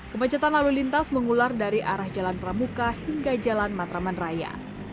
kemacetan lalu lintas mengular dari arah jalan pramuka hingga jalan matraman raya